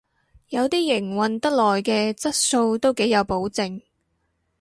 有啲營運得耐嘅質素都幾有保證